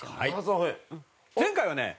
前回はね。